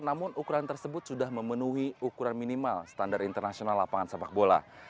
namun ukuran tersebut sudah memenuhi ukuran minimal standar internasional lapangan sepak bola